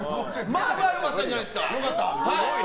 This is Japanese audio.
まあ良かったんじゃないですか。